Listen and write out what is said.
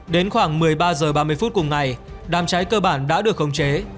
đến khoảng một mươi ba h ba mươi phút cùng ngày đám cháy cơ bản đã được khống chế